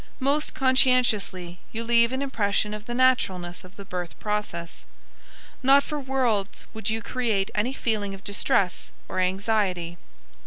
Most conscientiously you leave an impression of the naturalness of the birth process. Not for worlds would you create any feeling of distress or anxiety.